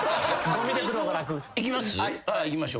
いきます？